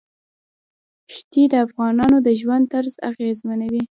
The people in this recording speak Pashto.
ښتې د افغانانو د ژوند طرز اغېزمنوي.